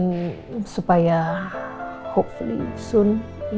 jadi memang kita semua ya bikin al senyaman mungkin